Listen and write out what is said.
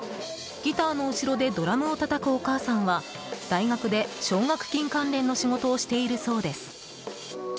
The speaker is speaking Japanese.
ギターの後ろでドラムをたたくお母さんは大学で奨学金関連の仕事をしているそうです。